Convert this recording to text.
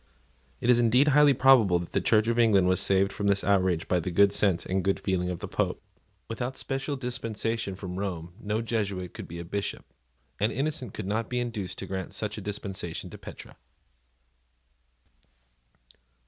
It is indeed highly probable that the Church of England was saved from this outrage by the good sense and good feeling of the Pope. Without a special dispensation from Rome no Jesuit could be a Bishop; and Innocent could not be induced to grant such a dispensation to Petre.